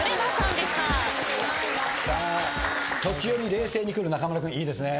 さあ時折冷静にくる中村君いいですね。